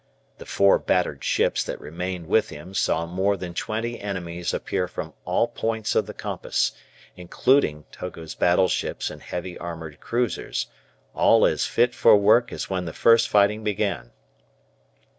The four battered ships that remained with him saw more than twenty enemies appear from all points of the compass, including Togo's battleships and heavy armoured cruisers, all as fit for work as when the first fighting began.